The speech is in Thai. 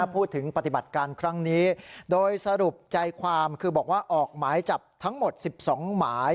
พูดถึงปฏิบัติการครั้งนี้โดยสรุปใจความคือบอกว่าออกหมายจับทั้งหมด๑๒หมาย